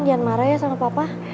jangan marah ya sama papa